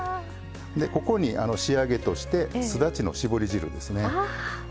ここに仕上げとしてすだちの搾り汁ですね。